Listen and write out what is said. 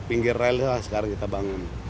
pinggir relnya sekarang kita bangun